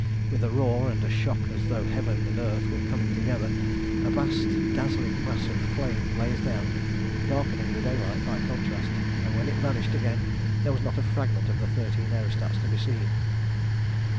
With a roar and a shock as though heaven and earth were coming together, a vast dazzling mass of flame blazed out, darkening the daylight by contrast, and when it vanished again there was not a fragment of the thirteen aerostats to be seen.